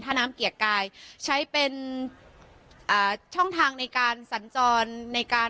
ถ้าน้ำเกียรติกายใช้เป็นอ่าช่องทางในการสัญจรในการ